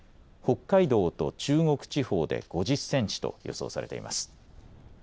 北海道と中国地方で５０センチと予想されています。